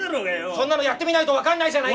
そんなのやってみないと分かんないじゃないか！